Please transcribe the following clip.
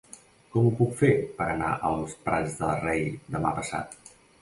Com ho puc fer per anar als Prats de Rei demà passat?